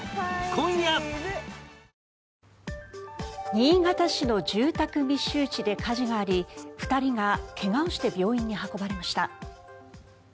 新潟市の住宅密集地で火事があり２人が怪我をして病院に運ばれました。